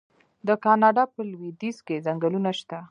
د کاناډا په لویدیځ کې ځنګلونه شته.